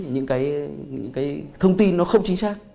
những cái thông tin nó không chính xác